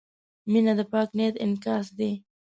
• مینه د پاک نیت انعکاس دی.